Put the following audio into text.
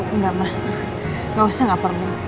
enggak ma gak usah gak perlu